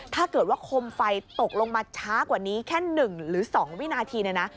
ถ้าเกิดว่าคมไฟตกลงมาช้ากว่านี้แค่๑หรือ๒วินาทีเนี่ยนะ